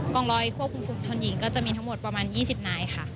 องร้อยควบคุมฝุงชนหญิงก็จะมีทั้งหมดประมาณ๒๐นายค่ะ